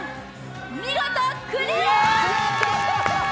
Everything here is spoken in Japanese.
見事クリア！